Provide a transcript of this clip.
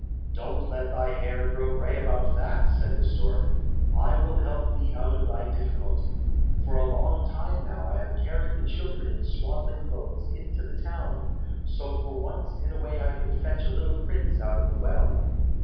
"Don't let thy hair grow grey about that," said the stork, "I will help thee out of thy difficulty. For a long time now, I have carried the children in swaddling clothes into the town, so for once in a way I can fetch a little prince out of the well.